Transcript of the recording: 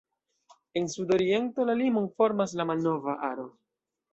En sudoriento la limon formas la Malnova Aro.